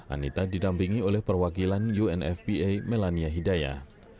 anita didampingi oleh perwakilan unfpa melania hidayah